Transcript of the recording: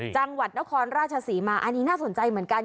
จังหวัดนครราชศรีมาอันนี้น่าสนใจเหมือนกัน